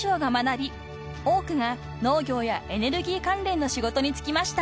多くが農業やエネルギー関連の仕事に就きました］